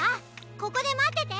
ここでまってて！